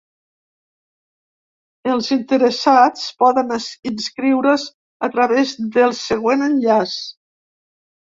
Els interessats poden inscriure’s a través del següent enllaç.